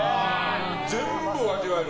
全部を味わえる。